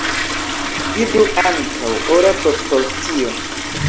Vidu ankaŭ: Ora proporcio.